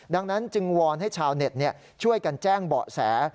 ดังนั้นจึงวอนให้ชาวเน็ตช่วยกันแจ้งเบาะแส